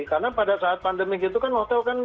karena pada saat pandemi itu kan hotel kan